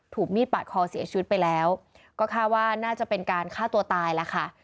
ถูกมีดปาดคอเสียชีวิตไปแล้วก็คาดว่าน่าจะเป็นการฆ่าตัวตายแล้วค่ะ